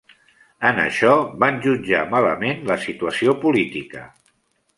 En això, van jutjar malament la situació política.